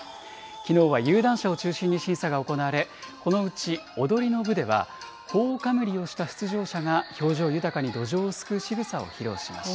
きのうは有段者を中心に審査が行われ、このうち踊の部では、ほおかむりをした出場者が、表情豊かにどじょうをすくうしぐさを披露しました。